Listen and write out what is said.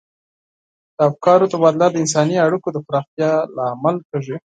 د افکارو تبادله د انساني اړیکو د پراختیا لامل کیږي.